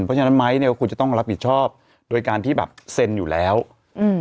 เพราะฉะนั้นไม้เนี้ยก็ควรจะต้องรับผิดชอบโดยการที่แบบเซ็นอยู่แล้วอืม